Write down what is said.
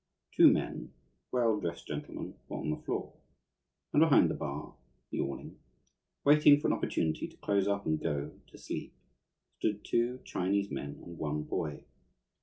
Two men, well dressed gentlemen, were on the floor. And behind the bar, yawning, waiting for an opportunity to close up and go to sleep, stood two Chinese men and one boy.